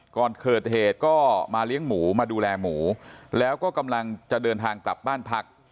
ก่อนเกิดเหตุก็มาเลี้ยงหมูมาดูแลหมูแล้วก็กำลังจะเดินทางกลับบ้านพัก